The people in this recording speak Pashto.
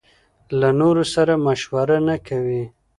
له نورو سره مشوره نکوي.